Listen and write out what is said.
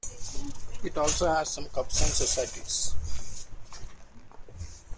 It also has some clubs and societies.